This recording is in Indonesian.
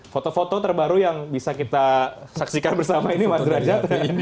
foto foto terbaru yang bisa kita saksikan bersama ini mas derajat